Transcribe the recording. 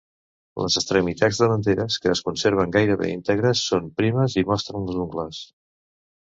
Les extremitats davanteres, que es conserven gairebé íntegres, són primes i mostren les ungles.